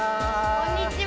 こんにちは。